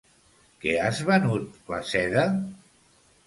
Que has venut la seda?